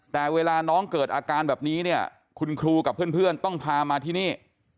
แต่เวลาน้องเกิดอาการแบบนี้เนี่ยคุณครูกับเพื่อนต้องพามาที่นี่